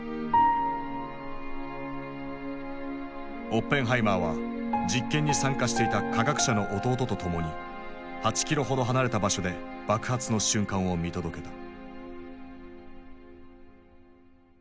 オッペンハイマーは実験に参加していた科学者の弟と共に８キロほど離れた場所で爆発の瞬間を見届けた。